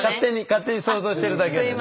勝手に想像してるだけでね。